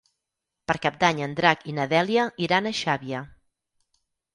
Per Cap d'Any en Drac i na Dèlia iran a Xàbia.